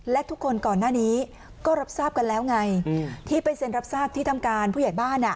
และทุกคนก่อนหน้านี้ก็รับทราบกันแล้วไงที่ไปเซ็นรับทราบที่ทำการผู้ใหญ่บ้าน